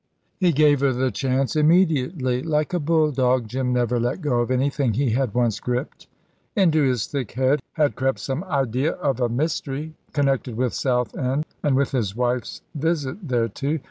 He gave her the chance immediately. Like a bulldog, Jim never let go of anything he had once gripped. Into his thick head had crept some idea of a mystery, connected with Southend and with his wife's visit thereto.